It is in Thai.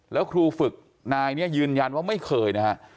แล้วครูฝึกนายนี้ยืนยันว่าไม่เคยนะฮะ